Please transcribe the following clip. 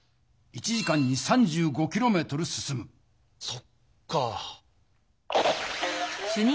そっか。